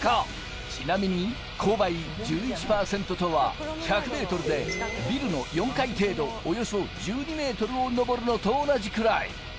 ちなみに勾配１１％とは１００ｍでビルの４階程度、およそ１２ｍを登るのと同じくらい。